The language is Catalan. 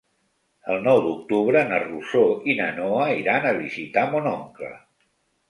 El nou d'octubre na Rosó i na Noa iran a visitar mon oncle.